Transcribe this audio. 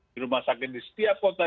di rumah sakit di setiap kota